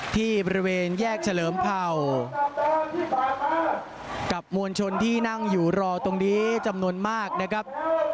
ที่บริเวณแยกเฉลิมเผ่ากับมวลชนที่นั่งอยู่รอตรงนี้จำนวนมากนะครับ